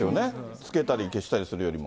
つけたり消したりするよりも。